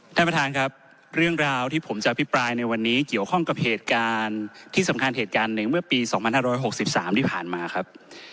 ท่านประธานครับเรื่องราวที่ผมจะอภิปรายในวันนี้เกี่ยวข้องกับเหตุการณ์ที่สำคัญเหตุการณ์หนึ่งเมื่อปี๒๕๖๓ที่ผ่านมาครับ